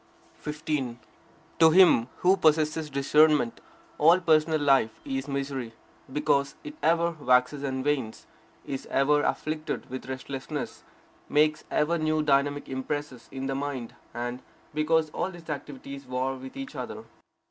15. To him who possesses discernment, all personal life is misery, because it ever waxes and wanes, is ever afflicted with restlessness, makes ever new dynamic impresses in the mind; and because all its activities war with each other.